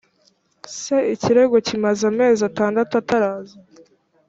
se ikirego kimaze amezi atandatu ataraza